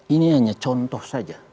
ini hanya contoh saja